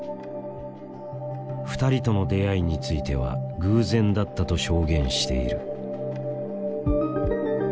２人との出会いについては偶然だったと証言している。